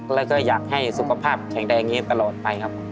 แล้วก็อยากให้สุขภาพแข็งแรงอย่างนี้ตลอดไปครับ